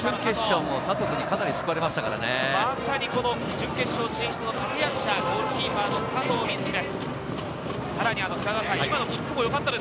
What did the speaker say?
佐藤君にかなり使われま準決勝進出の立役者、ゴールキーパーの佐藤瑞起です。